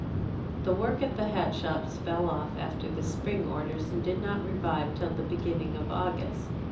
The work at the hat shops fell off after the spring orders, and did not revive till the beginning of August.